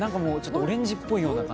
オレンジっぽいような感じで。